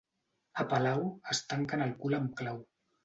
A Palau, es tanquen el cul amb clau.